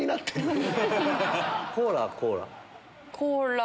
コーラはコーラ？